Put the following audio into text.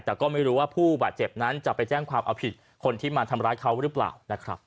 แต่ก็ไม่รู้ว่าผู้บาดเจ็บนั้นจะไปแจ้งความเอาผิดคนที่มาทำร้ายเขาหรือเปล่านะครับ